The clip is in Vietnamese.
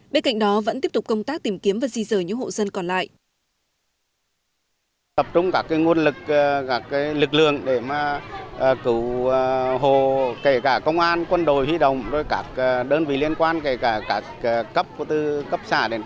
bên cạnh đó vẫn tiếp tục công tác tìm kiếm và di rời những hộ dân còn lại